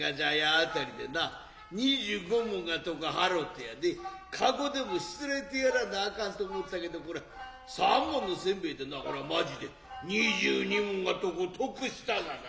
辺りでな二十五文がとこ払うてやで駕篭でもしつらえてやらなあかんと思うたけどこら三文のせんべいでなまじで二十二文がとこ得したがな。